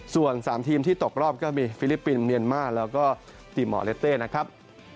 ส่วน๓ทีมที่ตกรอบก็มีฟิลิปปินส์เมียนมาร์แล้วก็ตีหมอเลสเต้นะครับ